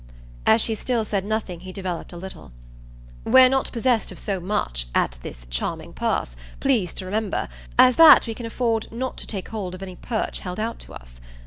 As she still said nothing he developed a little. "We're not possessed of so much, at this charming pass, please to remember, as that we can afford not to take hold of any perch held out to us.